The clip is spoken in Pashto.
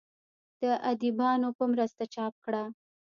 د اديبانو پۀ مرسته چاپ کړه